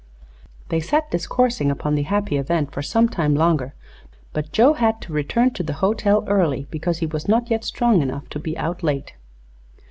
They sat discoursing upon the happy event for some time longer, but Joe had to return to the hotel early because he was not yet strong enough to be out late.